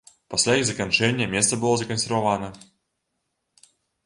Пасля іх заканчэння месца было закансервавана.